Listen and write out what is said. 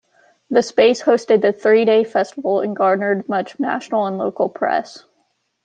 The space hosted the three-day festival and garnered much national and local press.